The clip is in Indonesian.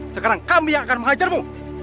sekarang kami yang akan menghajarmu